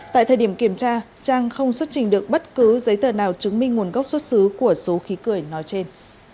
tại thời điểm kiểm tra trang không xuất trình được bất cứ giấy tờ nào chứng minh nguồn gốc xuất xứ của số khí cười nói trên